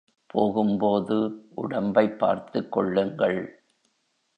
போகும்போது, உடம்பைப் பார்த்துக் கொள்ளுங்கள்.